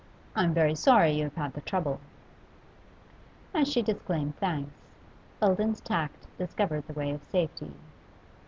'I'm very sorry you have had the trouble.' As she disclaimed thanks, Eldon's tact discovered the way of safety.